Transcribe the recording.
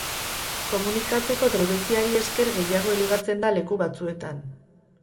Komunikatzeko trebeziari esker gehiago ligatzen da leku batzuetan.